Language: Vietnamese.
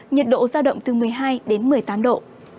nhiệt độ giao động từ một mươi hai đến một mươi tám độ